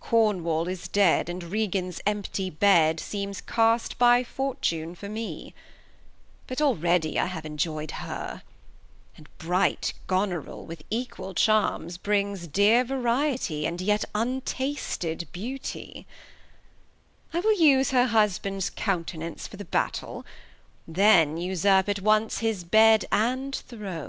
Cornwall is dead, and Regan's empty Bed Seems cast by Fortune for me, but already I have enjoy'd her, and bright Goneril With equal Charms brings dear Variety, And yet untasted Beauty : I will use Her Husband's Countenance for the BattaU, then Usurp at once his Bed and Throne.